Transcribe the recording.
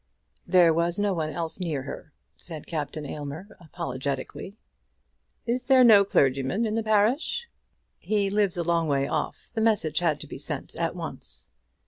"There was no one else near her," said Captain Aylmer, apologetically. "Is there no clergyman in the parish?" "He lives a long way off. The message had to be sent at once."